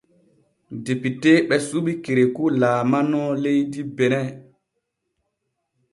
Depiteeɓe suɓi Kerekou laalano leydi Benin.